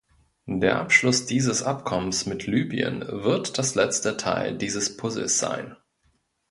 Der Abschluss dieses Abkommens mit Libyen wird das letzte Teil dieses Puzzles sein.